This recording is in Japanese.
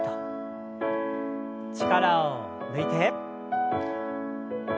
力を抜いて。